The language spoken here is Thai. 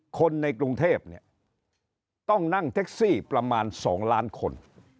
คนในกรุงเทพเนี่ยต้องนั่งแท็กซี่ประมาณ๒ล้านคน